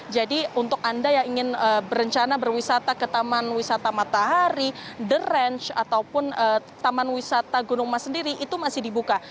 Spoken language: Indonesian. jadi untuk anda yang ingin berencana berwisata ke taman wisata matahari the ranch ataupun taman wisata gunung mas sendiri itu masih dibuka